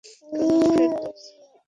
Karan, Firdous.